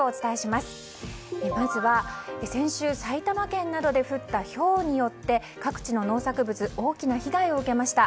まずは、先週埼玉県などで降ったひょうなどによって各地の農作物大きな被害を受けました。